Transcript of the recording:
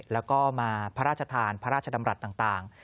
แล้วก็มาพระราชทานพระราชดำรัฐต่าง